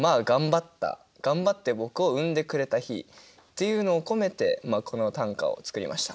頑張って僕を産んでくれた日というのを込めてこの短歌を作りました。